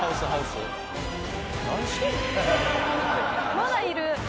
「まだいる」